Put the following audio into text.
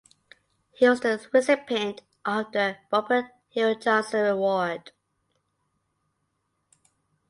He was the recipient of the Robert Hill Johnson Award.